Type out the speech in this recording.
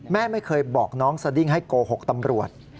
แม่ไม่เคยบอกน้องสดิ้งให้โกหกตำรวจ